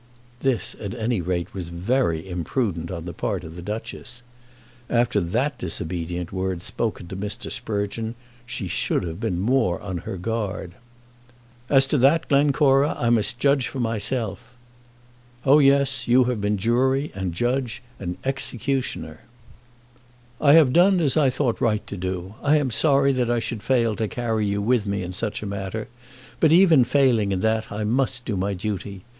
This at any rate was very imprudent on the part of the Duchess. After that disobedient word spoken to Mr. Sprugeon, she should have been more on her guard. "As to that, Glencora, I must judge for myself." "Oh yes, you have been jury, and judge, and executioner." "I have done as I thought right to do. I am sorry that I should fail to carry you with me in such a matter, but even failing in that I must do my duty.